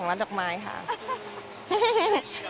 นั่นร้านดอกไม้ให้ค่ะ